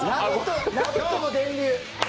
「ラヴィット！」の電流。